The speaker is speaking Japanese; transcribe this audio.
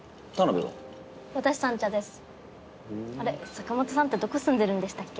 坂本さんってどこ住んでるんでしたっけ？